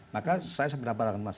maka saya sebenarnya akan masih